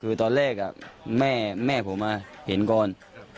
คือตอนแรกแม่ผมเห็นก่อน